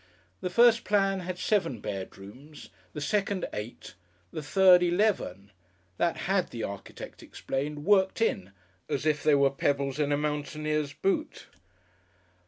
The first plan had seven bedrooms, the second eight, the third eleven; that had, the architect explained, "worked in" as if they were pebbles in a mountaineer's boat.